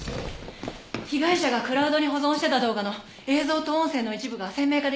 被害者がクラウドに保存してた動画の映像と音声の一部が鮮明化できました。